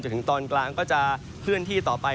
ถึงตอนกลางก็จะเคลื่อนที่ต่อไป